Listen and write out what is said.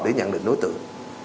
để nhận định đối tượng